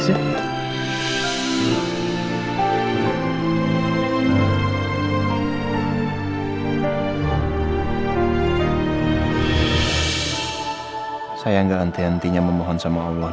saya nggak henti hentinya memohon sama allah